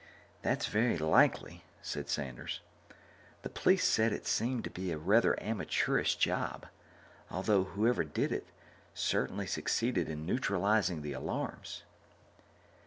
"That's very likely it," said Sanders. "The police said it seemed to be a rather amateurish job, although whoever did it certainly succeeded in neutralizing the alarms."